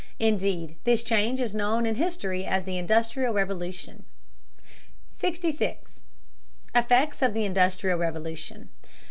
Indeed, this change is known in history as the Industrial Revolution. 66. EFFECTS OF THE INDUSTRIAL REVOLUTION.